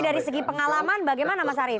dari segi pengalaman bagaimana mas arief